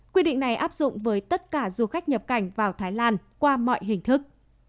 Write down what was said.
quy định này áp dụng với tất cả du khách nhập cảnh vào thái lan qua mọi hình thức